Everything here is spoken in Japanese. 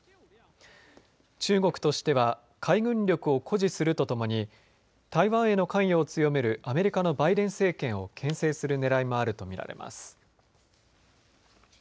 中国としては海軍力を誇示するとともに台湾への関与を強めるアメリカのバイデン政権をけん制する狙いもあるとみられます。